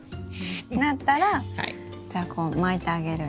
なったらじゃあこう巻いてあげるんですね？